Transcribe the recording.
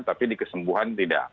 tapi di kesembuhan tidak